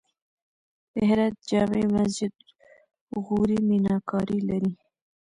د هرات جمعې مسجد غوري میناکاري لري